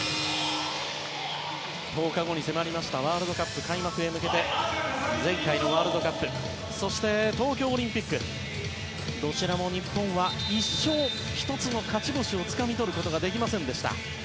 １０日後に迫ったワールドカップ開幕に向けて前回のワールドカップそして、東京オリンピックどちらも日本は１つも勝ち星をつかむことができませんでした。